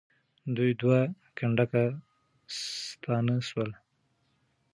دوی دوه کنډکه ستانه سول.